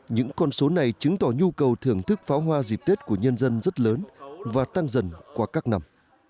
những con số này chứng tỏ nhu cầu thưởng thức pháo hoa dịp tết của nhân dân rất lớn và tăng dần qua các năm